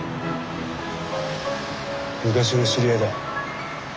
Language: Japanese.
昔の知り合いだ。